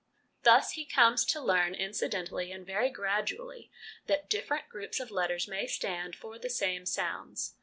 Thus he comes to learn incidentally and very gradually that different groups of letters may stand for the same sounds.